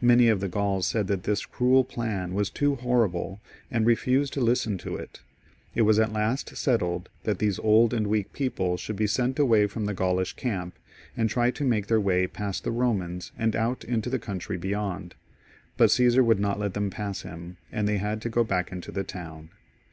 Many of the Gauls said that this cruel plan was too hor rible, and refused to listen to it It was at last settled that j^hese old and weak people should be sent away from 10 C^SAR IN GAUL, [CH. the Gaulish camp, and try to make their way past the Eomans and out into the country beyond; but Caesar would not let them pass him, s^nd they had to go back into the town.